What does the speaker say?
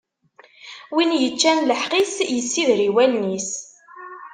Win iččan lḥeqq-is, issidir i wallen-is.